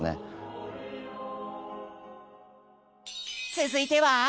続いては？